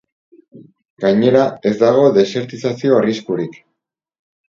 Gainera, ez dago desertizazio arriskurik.